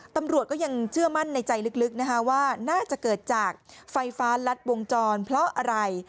ตำรวจก็ยังเชื่อมั่นในใจลึกนะคะว่าน่าจะเกิดจากไฟฟ้ารัดวงจรเพราะอะไร